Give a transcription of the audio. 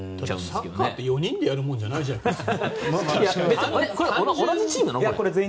サッカーって４人でやるもんじゃないじゃないですか。